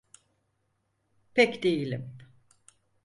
Pek değilim.